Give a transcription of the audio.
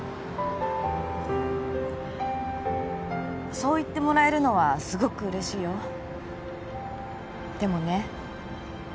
そう言ってもらえるのはすごく嬉しいよでもね